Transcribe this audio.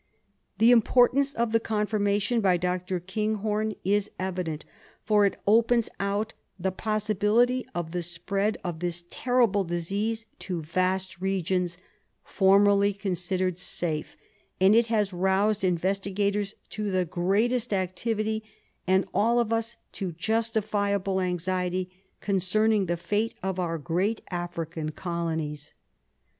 The importance of the confirmation by Dr. Kinghorn is evident, for it opens out the possibility of the spread of this terrible disease to vast regions formerly considered safe, and it has roused investigators to the greatest activity, and all of us to justifiable anxiety concerning the fate of our great African colonies.